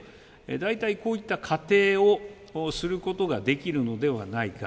大体こういった仮定をすることができるのではないか。